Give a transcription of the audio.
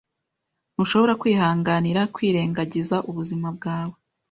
Ntushobora kwihanganira kwirengagiza ubuzima bwawe.